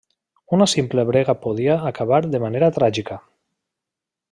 Una simple brega podia acabar de manera tràgica.